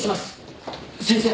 先生。